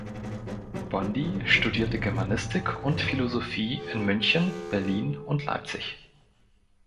Bondi studierte Germanistik und Philosophie in München, Berlin und Leipzig.